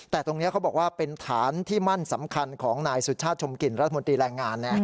แต่ตรงนี้เขาบอกว่าเป็นฐานที่มั่นสำคัญของนายสุชาติชมกลิ่นรัฐมนตรีแรงงาน